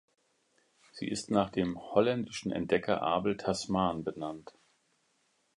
Sie ist nach dem holländischen Entdecker Abel Tasman benannt.